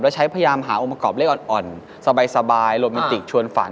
แล้วใช้พยายามหาองค์ประกอบเลขอ่อนสบายโรแมนติกชวนฝัน